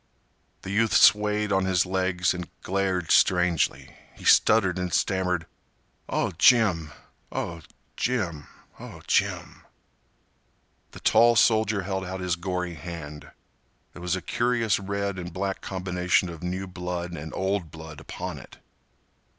The youth swayed on his legs and glared strangely. He stuttered and stammered. "Oh, Jim—oh, Jim—oh, Jim—" The tall soldier held out his gory hand. There was a curious red and black combination of new blood and old blood upon it.